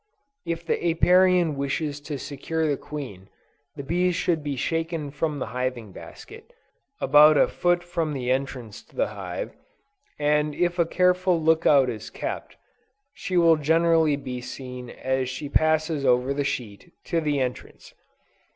If the Apiarian wishes to secure the queen, the bees should be shaken from the hiving basket, about a foot from the entrance to the hive, and if a careful look out is kept, she will generally be seen as she passes over the sheet, to the entrance.